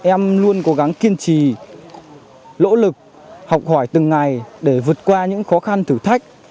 em luôn cố gắng kiên trì lỗ lực học hỏi từng ngày để vượt qua những khó khăn thử thách